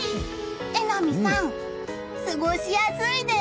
榎並さん、過ごしやすいです。